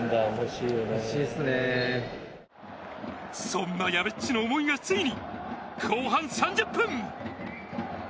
そんなやべっちの思いがついに後半３０分。